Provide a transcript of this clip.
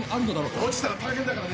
落ちたら大変だからね。